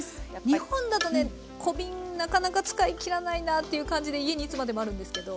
日本だとね小瓶なかなか使い切らないなっていう感じで家にいつまでもあるんですけど。